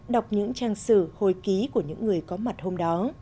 đọc những trang sử hồi ký của những người có mặt hôm đó